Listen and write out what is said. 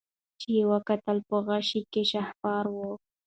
چي یې وکتل په غشي کي شهپر وو